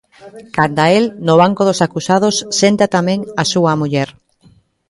Canda el, no banco dos acusados senta tamén a súa muller.